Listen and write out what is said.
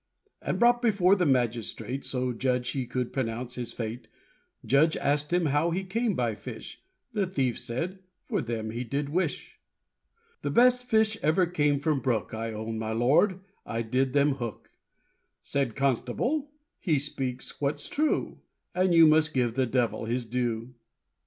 And brought before the magistrate, So judge he would pronounce his fate, Judge asked him how he came by fish, The thief said for them he did wish, The best fish ever came from brook, I own, my Lord, I did them hook, Said constable, he speaks what's true, And you must give the devil his due.